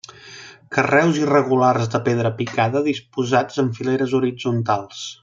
Carreus irregulars de pedra picada, disposats en fileres horitzontals.